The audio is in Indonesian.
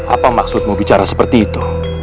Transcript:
apa maksudmu bicara seperti itu